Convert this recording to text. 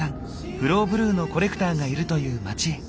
フローブルーのコレクターがいるという町へ。